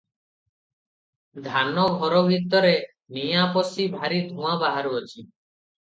ଧାନ ଘର ଭିତରେ ନିଆଁ ପଶି ଭାରି ଧୂଆଁ ବାହାରୁଅଛି ।